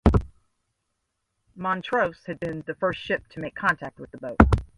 "Montrose" had been the first ship to make contact with the boat.